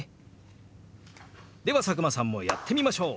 では佐久間さんもやってみましょう！